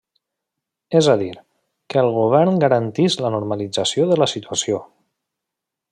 És a dir, que el govern garantís la normalització de la situació.